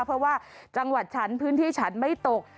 เพราะว่าจังหวัดฉันพื้นที่ฉันไม่ตก